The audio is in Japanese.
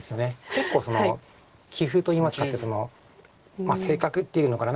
結構棋風といいますか性格っていうのかな